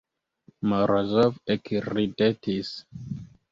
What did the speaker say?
Morozov ekridetis.